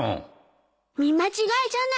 見間違いじゃない？